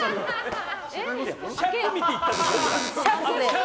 シャツ見て言ったでしょ。